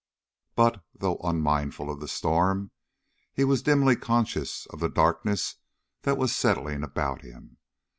But, though unmindful of the storm, he was dimly conscious of the darkness that was settling about him.